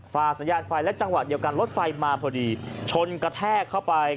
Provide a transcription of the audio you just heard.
ฝ่าสัญญาณไฟและจังหวะเดียวกันรถไฟมาพอดีชนกระแทกเข้าไป